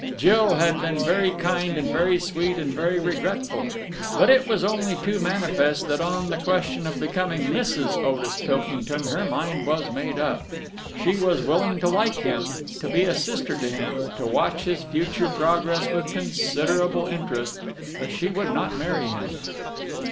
Jill had been very kind and very sweet and very regretful, but it was only too manifest that on the question of becoming Mrs. Otis Pilkington her mind was made up. She was willing to like him, to be a sister to him, to watch his future progress with considerable interest, but she would not marry him.